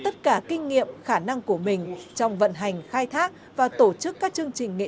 tất cả kinh nghiệm khả năng của mình trong vận hành khai thác và tổ chức các chương trình nghệ